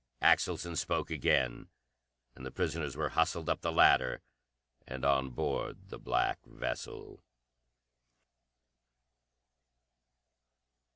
Axelson spoke again, and the prisoners were hustled up the ladder and on board the black vessel.